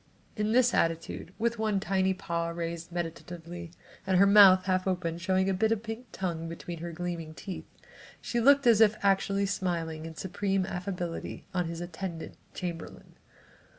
In this attitude, with one tiny paw raised meditatively, and her mouth half open showing a bit of pink tongue between her gleaming teeth, she looked as if actually smiling in supreme affability on an attendant chamberlain.